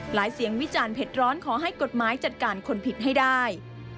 เสียงวิจารณ์เผ็ดร้อนขอให้กฎหมายจัดการคนผิดให้ได้